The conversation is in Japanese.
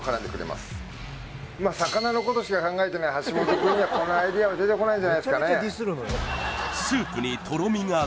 まあ魚のことしか考えてない橋本くんにはこのアイデアは出てこないんじゃないですかね